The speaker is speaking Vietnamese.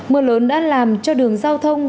mưa lớn đã làm cho đường giao thông